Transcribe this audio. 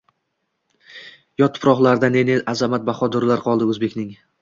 Yot tuproqlarda ne-ne azamat, bahodirlari qoldi, o`zbekning